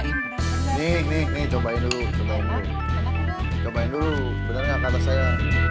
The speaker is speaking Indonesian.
ini cobain dulu coba dulu coba dulu bener nggak kata saya